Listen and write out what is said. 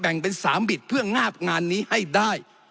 เป็น๓บิดเพื่องาบงานนี้ให้ได้